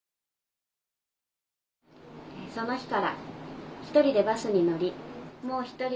「その日から１人でバスに乗りもう１人で歩ける」。